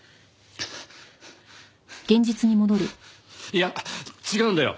いや違うんだよ。